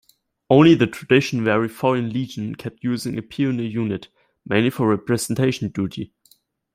Only the tradition-wary Foreign Legion kept using a pioneer unit, mainly for representation duty.